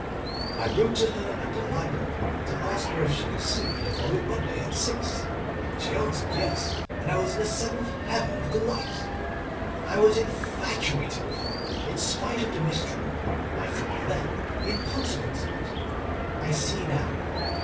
I wrote to her at the library to ask her if she could see me the following Monday at six. She answered yes, and I was in the seventh heaven of delight. I was infatuated with her: in spite of the mystery, I thought then—in consequence of it, I see now.